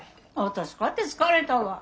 私かて疲れたわ。